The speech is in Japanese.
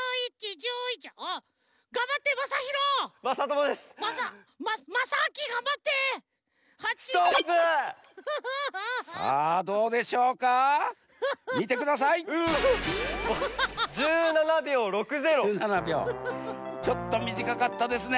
１７秒ちょっとみじかかったですね。